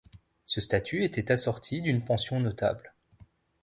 Ce statut était assorti d'une pension notable.